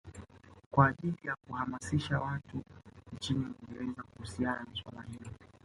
Kwa ajili ya kuhamasisha watu nchini Uingereza kuhusiana na suala hilo